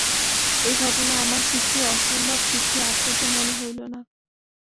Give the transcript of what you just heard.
এ ঘটনা আমার কিছুই অসম্ভব, কিছুই আশ্চর্য মনে হইল না।